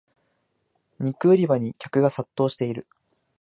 肉売り場に客が殺到してる